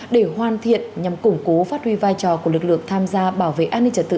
để hoàn thiện nhằm củng cố phát huy vai trò của lực lượng tham gia bảo vệ an ninh trật tự